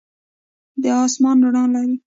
دا آسمان رڼا لري.